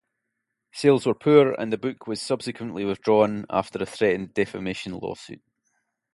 Sales were poor and the book was subsequently withdrawn after a threatened defamation lawsuit.